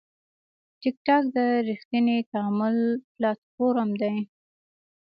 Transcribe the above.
ټکټاک د ریښتیني تعامل پلاتفورم دی.